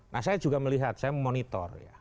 nah saya juga melihat saya memonitor ya